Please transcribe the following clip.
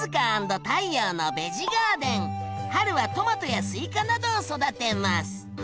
春はトマトやスイカなどを育てます。